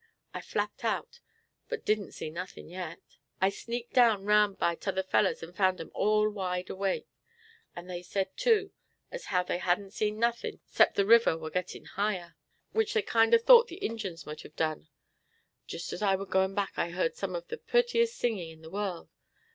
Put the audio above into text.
I flapped out, but didn't see nothin' yet. I sneaked down round by t'other fellers, and found 'em all wide awake; and they said, too, as how they hadn't seen nothin' 'cept the river war gettin' higher, which they kinder thought the Injins mought 've done. Jist as I war going back I heard some of the purtiest singin' in the world.